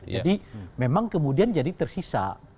jadi memang kemudian jadi tersisa